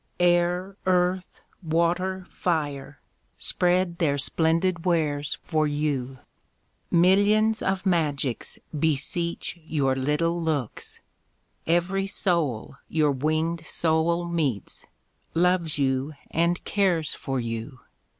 Air, earth, water, fire, spread their splendid wares for you. Millions of magics beseech your little looks; Every soul your winged soul meets, loves you and cares for you.